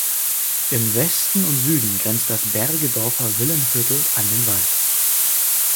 Im Westen und Süden grenzt das "Bergedorfer Villenviertel" an den Wald.